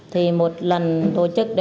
thì một lần tổ chức